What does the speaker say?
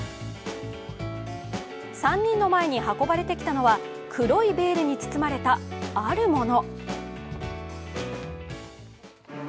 ３人の前に運ばれてきたのは、黒いベールに包まれたあるもの。